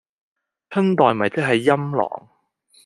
春袋咪即係陰嚢